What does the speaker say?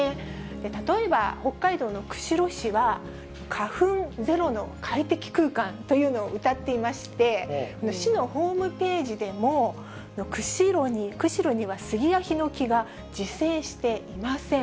例えば北海道の釧路市は、花粉０の快適空間というのをうたっていまして、市のホームページでも、釧路にはスギやヒノキが自生していません。